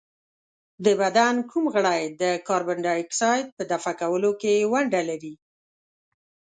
د بدن کوم غړی د کاربن ډای اکساید په دفع کولو کې ونډه لري؟